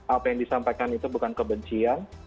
apa yang disampaikan itu bukan kebencian